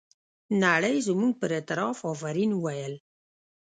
نړۍ زموږ پر اعتراف افرین وویل.